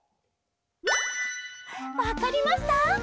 わかりました？